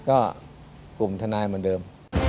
ก็กลุ่มทนายเหมือนเดิม